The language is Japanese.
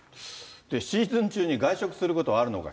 シーズン中に外食することがあるのか？